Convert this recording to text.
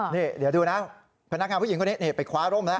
นี่เดี๋ยวดูนะพนักงานผู้หญิงคนนี้ไปคว้าร่มแล้ว